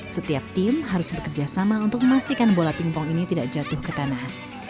setiap tim harus bekerja sama untuk memastikan bola pingpong ini tidak jatuh ke tanah